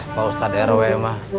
pak ustad rw mah